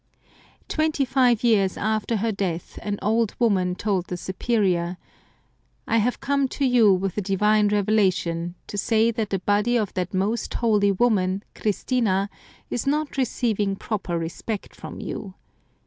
Twenty five years after her death an old woman told the Superior, " I have come to you with a divine revelation, to say that the body of that most Curiosities of Olden Times holy woman, Christina, is not receiving proper respect from you.